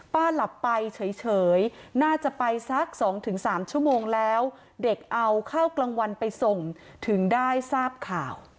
หลับไปเฉยน่าจะไปสัก๒๓ชั่วโมงแล้วเด็กเอาข้าวกลางวันไปส่งถึงได้ทราบข่าว